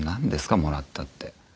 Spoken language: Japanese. もらったって。